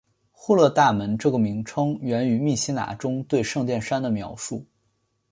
户勒大门这个名称源自于密西拿中对圣殿山的描述。